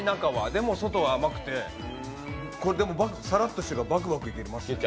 でも外は甘くて、さらっとしてるからバクバクいけます。